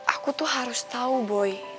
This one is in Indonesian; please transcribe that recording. aku tuh harus tahu boy